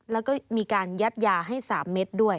แล้วก็มีการยัดยาให้๓เม็ดด้วย